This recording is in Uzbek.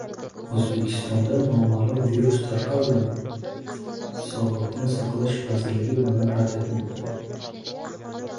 O‘zbekistonda noma’lum virus tarqaldimi? Sog'liqni saqlash vazirligi buni rad etmoqda